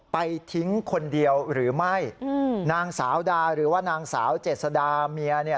ไปทิ้งคนเดียวหรือไม่อืมนางสาวดาหรือว่านางสาวเจษดาเมียเนี่ย